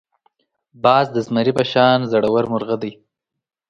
باز د زمري په شان زړور مرغه دی